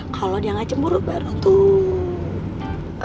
kalau dia nggak cemburu baru tuh